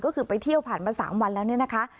ก็คือไปเที่ยวผ่านมา๓วันแล้วเนี่ยนะคะ